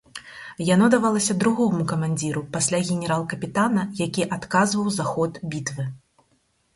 Яно давалася другому камандзіру пасля генерал-капітана, які адказваў за ход бітвы.